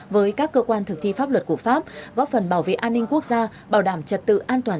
với các cơ quan thực thi pháp luật của pháp góp phần bảo vệ an ninh quốc gia bảo đảm trật tự an toàn